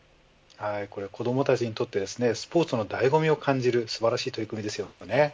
これは、子どもたちにとってスポーツの醍醐味を感じる素晴らしい取り組みです。